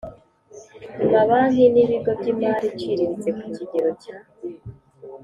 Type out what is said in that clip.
Mabanki n ibigo by imari iciriritse ku kigero cya